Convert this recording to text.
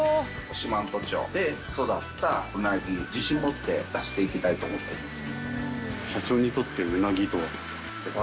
四万十町で育ったうなぎ自信持って出して行きたいと思っております。